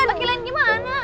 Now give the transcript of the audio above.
pake lain gimana